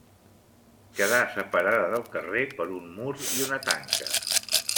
Quedà separada del carrer per un mur i una tanca.